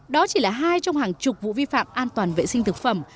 đó chỉ là hai trong hàng chục vụ vi phạm an toàn vệ sinh thực phẩm